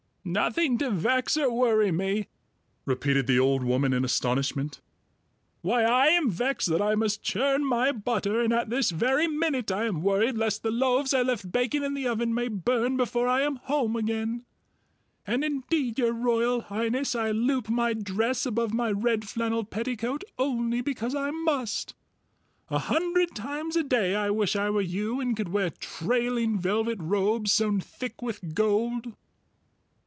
"Nothing to vex or worry me!" repeated the old woman in astonishment. "Why, I am vexed that I must churn my butter, and at this very minute I am worried lest the loaves I left baking in the oven may burn before I am home again. And indeed, Your Royal Highness, I loop my dress above my red flannel petticoat only because I must. A hundred times a day I wish I were you and could wear trailing velvet robes sewn thick with gold!"